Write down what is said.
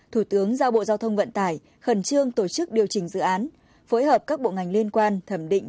thủ tướng giao bộ giao thông vận tải khẩn trương tổ chức điều chỉnh dự án phối hợp các bộ ngành liên quan thẩm định